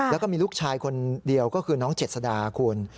แล้วก็มีลูกชายคนเดียวก็คือน้องเจ็ดสดาคุณ